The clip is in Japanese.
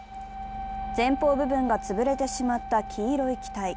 前方部分がつぶれてしまった黄色い機体。